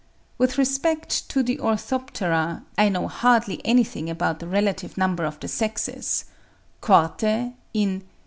With respect to the Orthoptera, I know hardly anything about the relative number of the sexes: Korte (88.